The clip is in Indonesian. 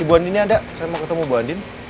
ibu andiennya ada saya mau ketemu bu andien